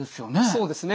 そうですね。